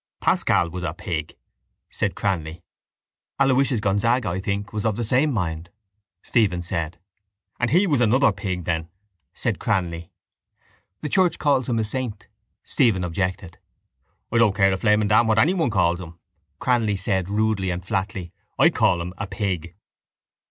—Pascal was a pig, said Cranly. —Aloysius Gonzaga, I think, was of the same mind, Stephen said. —And he was another pig then, said Cranly. —The church calls him a saint, Stephen objected. —I don't care a flaming damn what anyone calls him, Cranly said rudely and flatly. I call him a pig.